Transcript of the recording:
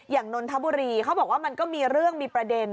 นนทบุรีเขาบอกว่ามันก็มีเรื่องมีประเด็น